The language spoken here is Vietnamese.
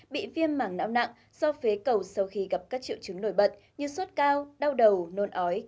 bị viêm mảng não nặng do phế cầu sau khi gặp các triệu chứng nổi bật như sốt cao đau đầu nôn ói